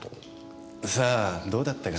さあどうだったかな。